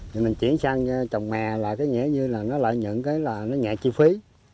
rồi mình chuyển sang trồng mè là cái nghĩa như là nó lợi nhận cái là nó nhẹ chi phí